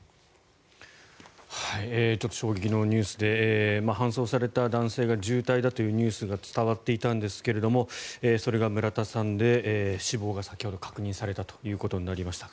ちょっと衝撃のニュースで搬送された男性が重体だというニュースが伝わっていたんですがそれが村田さんで死亡が先ほど確認されたということになりました。